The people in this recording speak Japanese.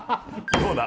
どうだ？